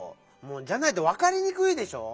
じゃないとわかりにくいでしょう！